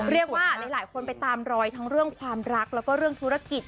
หลายคนไปตามรอยทั้งเรื่องความรักแล้วก็เรื่องธุรกิจ